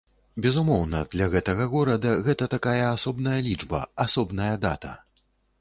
Безумоўна, для гэтага горада гэта такая асобная лічба, асобная дата.